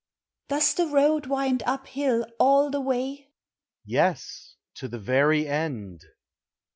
Does the road wind up hill all the way? Yes, to the very end.